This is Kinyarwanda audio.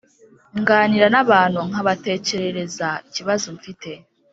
Nganira n’abantu nkabatekerereza ikibazo mfite